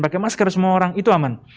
pakai masker semua orang itu aman